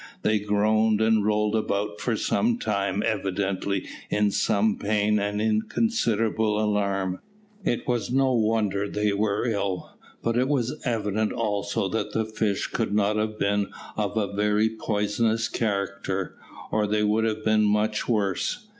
They groaned and rolled about for some time evidently in some pain and in considerable alarm. It was no wonder they were ill, but it was evident also that the fish could not have been of a very poisonous character, or they would have been much worse.